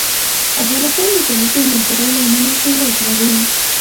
افغانستان د د کلیزو منظره له امله شهرت لري.